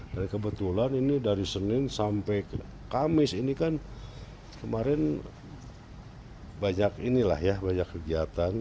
dari kebetulan ini dari senin sampai kamis ini kan kemarin banyak kegiatan